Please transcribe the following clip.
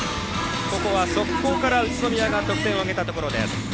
ここは速攻から宇都宮が得点を挙げたところです。